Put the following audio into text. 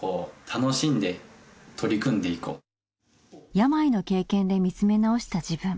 病の経験で見つめ直した自分。